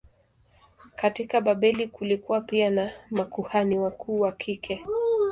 Katika Babeli kulikuwa pia na makuhani wakuu wa kike.